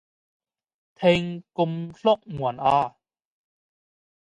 请减速慢行